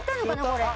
これ。